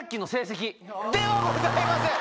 ではございません。